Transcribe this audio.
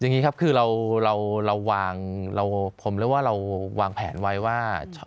อย่างนี้ครับคือเราวางผมเรียกว่าเราวางแผนไว้ว่า